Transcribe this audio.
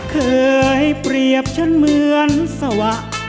เคยเปรียบฉันเหมือนสวะ